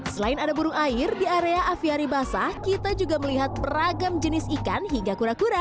selain ada burung air di area aviari basah kita juga melihat beragam jenis ikan hingga kura kura